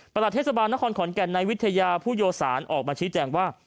เทศบาลนครขอนแก่นในวิทยาผู้โยสารออกมาชี้แจงว่า